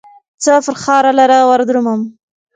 څه فرخار لره وردرومم